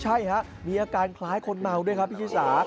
ใช่ฮะมีอาการคล้ายคนเมาด้วยครับพี่ชิสา